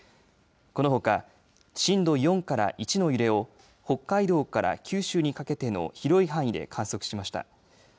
このほか震度４から１の揺れを北海道から九州にかけての広い範囲で観測しました。